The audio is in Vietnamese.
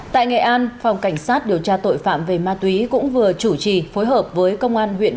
tại nghệ an phòng cảnh sát điều tra tội phạm về ma túy cũng vừa chủ trì phối hợp với công an huyện